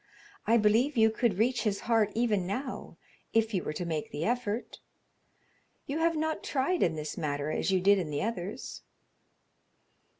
I believe you could reach his heart even now if you were to make the effort. You have not tried in this matter as you did in the others."